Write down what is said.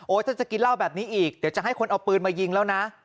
ถ้าจะกินเหล้าแบบนี้อีกเดี๋ยวจะให้คนเอาปืนมายิงแล้วนะ